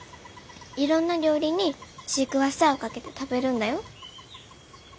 いろんな料理にシークワーサーをかけて食べるんだよ。